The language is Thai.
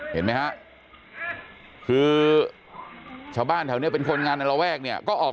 เห็นไหมฮะคือชาวบ้านแถวนี้เป็นคนงานในระแวกเนี่ยก็ออก